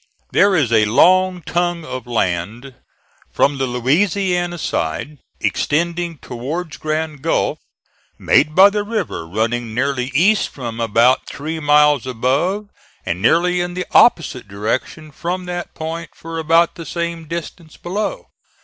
There is a long tongue of land from the Louisiana side extending towards Grand Gulf, made by the river running nearly east from about three miles above and nearly in the opposite direction from that point for about the same distance below.